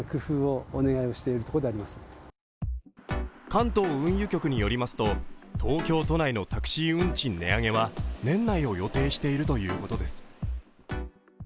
関東運輸局によりますと、東京都内のタクシー運賃値上げは年内を予定しているということです。